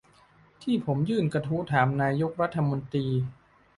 ที่ผมยื่นกระทู้ถามนายกรัฐมนตรี